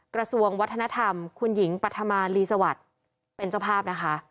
กระทรวงวัฒนธรรมคุณหญิงปฐมาลีสวัสดิ์เป็นเจ้าภาพนะคะ